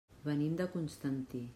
Venim de Constantí.